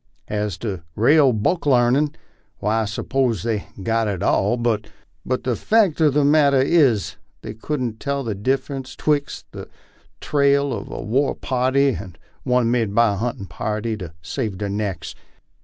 As to rale book larnin', why I 'spose they've got it all ; but the fact ur the matter is, they couldn't tell the difference twixt the trail of a war party and one made by a huntin' party to save their necks.